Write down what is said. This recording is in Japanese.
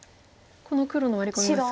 この黒のワリ込みは。